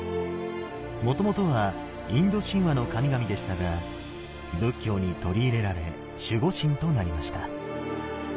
もともとはインド神話の神々でしたが仏教に取り入れられ守護神となりました。